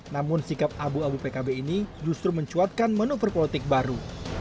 namun sikap abu abu pkb ini justru mencuatkan manuver politik baru